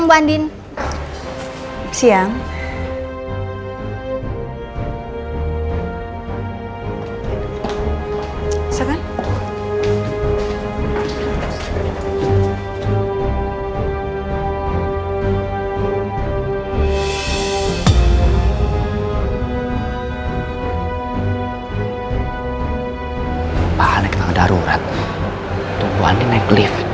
gua harus lewat tangga darurat nih